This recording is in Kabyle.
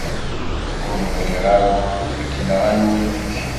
Ur bɣiɣ ara d-beyyneɣ anwa nekk.